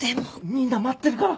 みんな待ってるから。